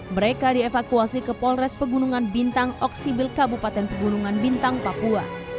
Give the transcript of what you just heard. mereka dievakuasi ke polres pegunungan bintang oksibil kabupaten pegunungan bintang papua